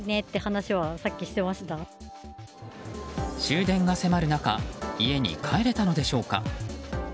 終電が迫る中家に帰れたのでしょうか。